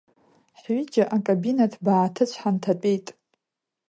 Ҳҩыџьа акабина ҭбаа-ҭыцә ҳанҭатәеит.